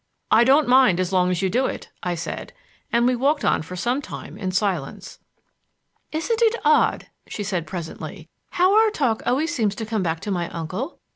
"I don't mind so long as you do it," I said, and we walked on for some time in silence. "Isn't it odd," she said presently, "how our talk always seems to come back to my uncle?